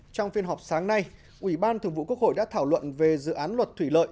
trong phiên họp sáng nay ủy ban thường vụ quốc hội đã thảo luận về dự án luật thủy lợi